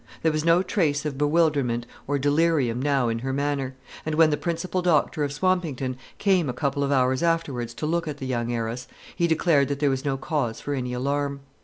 There was no trace of bewilderment or delirium now in her manner; and when the principal doctor of Swampington came a couple of hours afterwards to look at the young heiress, he declared that there was no cause for any alarm.